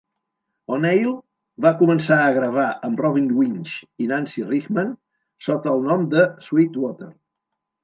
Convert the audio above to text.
O'Neill va començar a gravar amb Robin Winch i Nancy Richman sota el nom de Suitewater.